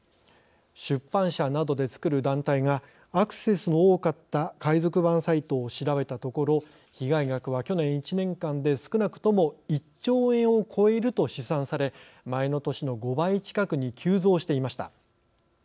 出版社などでつくる団体がアクセスの多かった海賊版サイトを調べたところ被害額は去年１年間で少なくとも１兆円を超えると試算され前の年の５倍近くに急増していました。